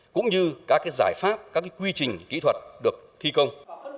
cũng như các giải pháp các quy trình kỹ thuật được thi công